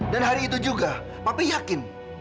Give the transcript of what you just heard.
dan hari itu juga papi yakin